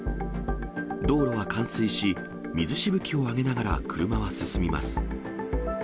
道路は冠水し、水しぶきを上げながら車は進みます。